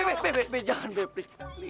eh be be be jangan be